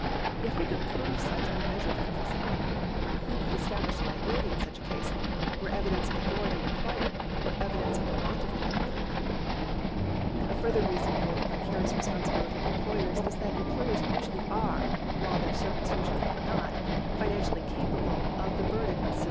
Yet who could prove such a measure of complicity ? Who could establish liability in such a case, were evidence of authority required, or evidence of the want of it admitted ? A further reason for the vicarious responsibility of em ployers is that employers usually are, while their servants usually are not, financially capable of the burden of civil 1 Sahnond, Essaj's in Jurispnidcuci: and Legal History, pp.